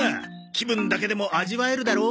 気分だけでも味わえるだろう？